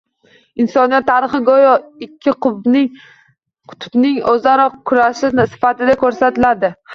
Insoniyat tarixi go‘yo ikki qutbning o‘zaro kurashi sifatida ko‘rsatiladi